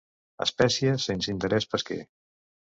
Espècie sense interès pesquer.